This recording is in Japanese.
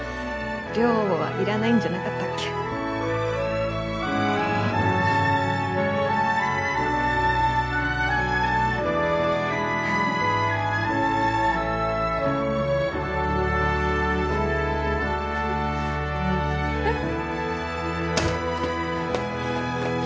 寮母はいらないんじゃなかったっけえっ？